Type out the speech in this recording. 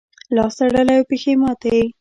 لاس تړلی او پښې ماتې.